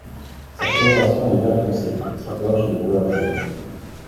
Sa coloration est vert foncé, sa gorge est de couleur jaune.